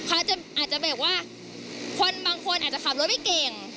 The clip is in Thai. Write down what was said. อาจจะบอกว่าบางคนอาจจะขับรถไม่เก่ง